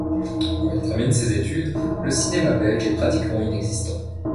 Quand il termine ses études, le cinéma belge est pratiquement inexistant.